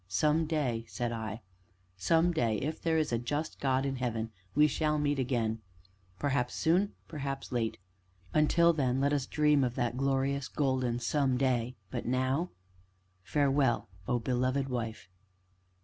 "Some day," said I, "some day, if there is a just God in heaven, we shall meet again; perhaps soon, perhaps late. Until then, let us dream of that glorious, golden some day, but now farewell, oh, beloved wife!"